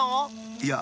いや。